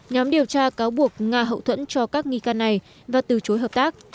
nhóm điều tra cáo buộc nga hậu thuẫn cho các nghi can này và từ chối hợp tác